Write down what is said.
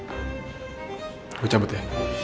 aku cabut ya